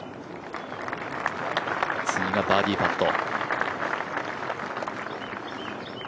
次がバーディーパット。